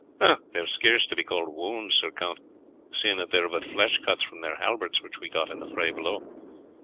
"They are scarce to be called wounds, Sir Count, seeing that they are but flesh cuts from their halberts which we got in the fray below.